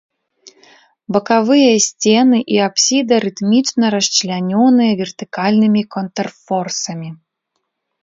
Бакавыя сцены і апсіда рытмічна расчлянёныя вертыкальнымі контрфорсамі.